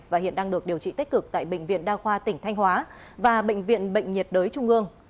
và hiện đang được điều trị tích cực tại bệnh viện đa khoa tỉnh thanh hóa và bệnh viện bệnh nhiệt đới trung ương